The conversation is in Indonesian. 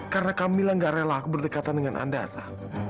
karena kamila nggak rela berdekatan dengan andara